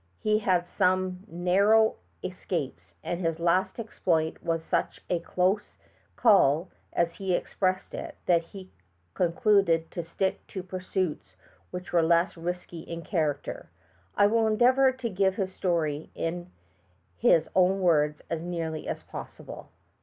He had some narrow eseapes, and his last exploit was such a "close call," as he expressed it, that he concluded to stick to pursuits which were less risky in char acter. I will endeavor to give his story in his own words as nearly as possible.